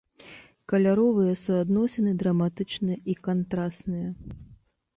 Каляровыя суадносіны драматычныя і кантрасныя.